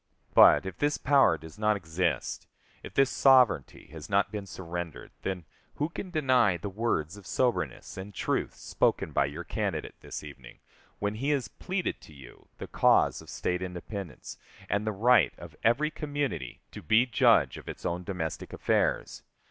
But, if this power does not exist, if this sovereignty has not been surrendered, then, who can deny the words of soberness and truth spoken by your candidate this evening, when he has pleaded to you the cause of State independence, and the right of every community to be judge of its own domestic affairs?